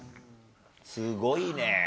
すごいね。